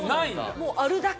もうあるだけ？